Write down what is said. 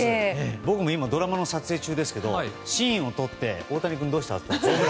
僕も今ドラマの撮影中ですがシーンをとって大谷君はどうだった？って。